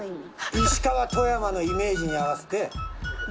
石川富山のイメージに合わせて。